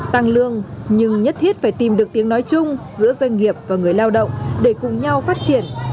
tăng lương nhưng nhất thiết phải tìm được tiếng nói chung giữa doanh nghiệp và người lao động để cùng nhau phát triển